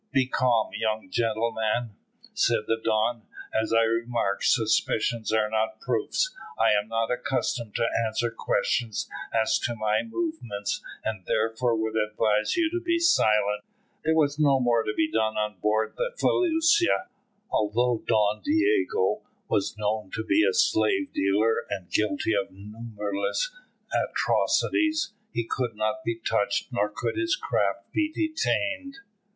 "Be calm, young gentleman," said the Don. "As I remarked, suspicions are not proofs. I am not accustomed to answer questions as to my movements, and therefore would advise you to be silent." There was no more to be done on board the felucca. Although Don Diogo was known to be a slave dealer and guilty of numberless atrocities, he could not be touched, nor could his craft be detained.